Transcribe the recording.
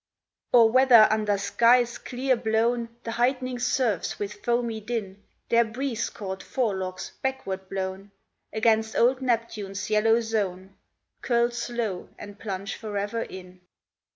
Or whether, under skies clear blown, The heightening surfs with foamy din, Their breeze caught forelocks backward blown Against old Neptune's yellow zone, Curl slow, and plunge forever in.